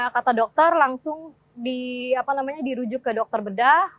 kata dokter langsung dirujuk ke dokter bedah